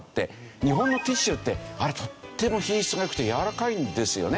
日本のティッシュってあれとっても品質が良くてやわらかいんですよね。